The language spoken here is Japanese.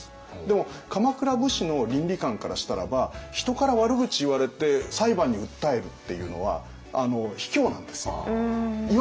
でも鎌倉武士の倫理観からしたらば人から悪口言われて裁判に訴えるっていうのは卑怯なんですよ。